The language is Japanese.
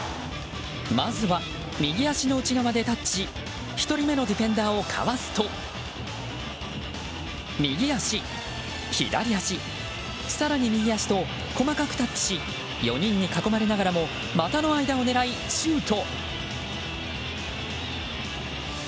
まずは右足の内側でタッチし１人目のディフェンダーをかわすと右足、左足、更に右足と細かくタッチし４人に囲まれながらも股の間を狙い、シュート。